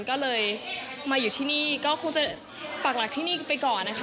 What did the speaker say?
ก็เลยมาอยู่ที่นี่ก็คงจะปากหลักที่นี่ไปก่อนนะคะ